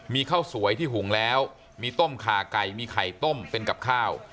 มีข้าวสวยที่หุงแล้วมีต้มขาไก่มีไข่ต้มเป็นกับข้าว